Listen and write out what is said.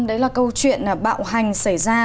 đấy là câu chuyện bạo hành xảy ra